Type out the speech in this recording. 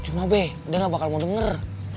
cuma b dia gak bakal mau denger